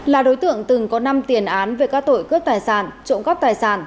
là đối tượng từng có năm tiền án về các tội cướp tài sản trộm cắp tài sản